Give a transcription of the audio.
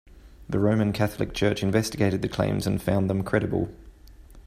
The Roman Catholic Church investigated the claims and found them credible.